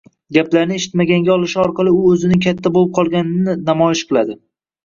Gaplarni eshitmaganga olishi orqali u o‘zining katta bo‘lib qolganini namoyish qiladi.